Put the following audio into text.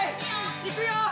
いくよ。